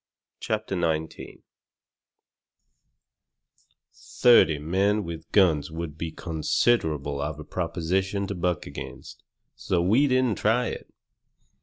CHAPTER XIX Thirty men with guns would be considerable of a proposition to buck against, so we didn't try it.